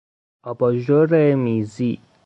آباژور میزی